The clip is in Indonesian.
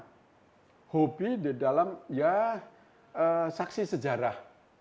jadi saya punya hobi di dalam ya saksi sejarah